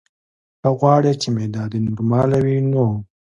که غواړې چې معده دې نورماله وي نو: